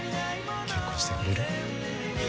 結婚してくれる？